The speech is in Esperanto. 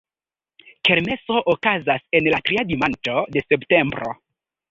Kermeso okazas en la tria dimanĉo de septembro.